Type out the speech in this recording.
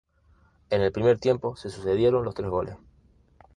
En el primer tiempo se sucedieron los tres goles.